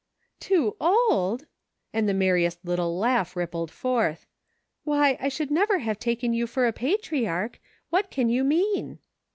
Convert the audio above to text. " Too old !" and the merriest little laugh rippled forth. " Why, I should never have taken you for a patriarch ! What can you mean